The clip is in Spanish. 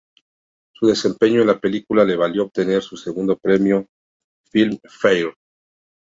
Su desempeño en la película le valió obtener su segundo Premio Filmfare.